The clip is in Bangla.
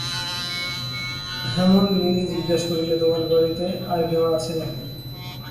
হেমনলিনী জিজ্ঞাসা করিল, তোমার গাড়িতে আর-কেহ আছে নাকি?